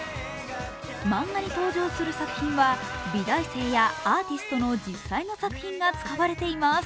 漫画に登場する作品は美大生やアーティストの実際の作品が使われています。